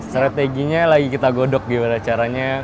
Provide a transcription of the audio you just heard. strateginya lagi kita godok gimana caranya